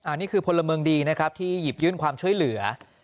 อันนี้คือพลเมืองดีนะครับที่หยิบยื่นความช่วยเหลือ